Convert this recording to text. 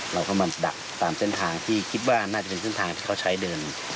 เราก็มาดักตามเส้นทางที่คิดว่าน่าจะเป็นเส้นทางที่เขาใช้เดิน